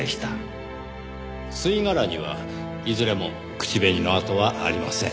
吸い殻にはいずれも口紅の跡はありません。